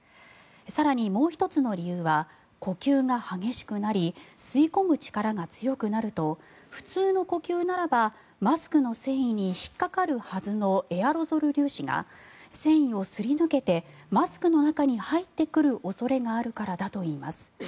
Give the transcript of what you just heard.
更に、もう１つの理由は呼吸が激しくなり吸い込む力が強くなると普通の呼吸ならばマスクの繊維に引っかかるはずのエアロゾル粒子が繊維をすり抜けてマスクの中に入ってくる恐れがあるからだといいます。